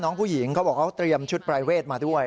น้องผู้หญิงเขาบอกเขาเตรียมชุดปรายเวทมาด้วย